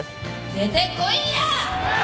出てこいや！